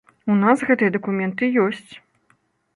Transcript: У нас гэтыя дакументы ёсць.